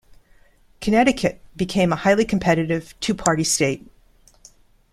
Connecticut became a highly competitive, two-party state.